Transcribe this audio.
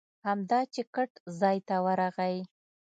همدا چې ګټ ځای ته ورغی.